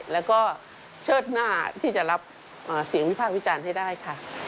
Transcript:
แล้วก็เชิดหน้าที่จะรับเสียงวิพากษ์วิจารณ์ให้ได้ค่ะ